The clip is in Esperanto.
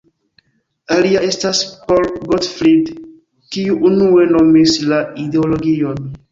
Alia estas Paul Gottfried, kiu unue nomis la ideologion.